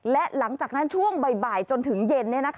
และหลังจากนั้นช่วงบ่ายจนถึงเย็น